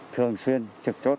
thường xuyên trực chốt